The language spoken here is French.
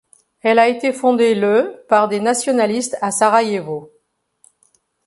Elle a été fondée le par des nationalistes à Sarajevo.